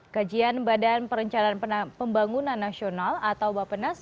kajian badan perencanaan pembangunan nasional atau bapenas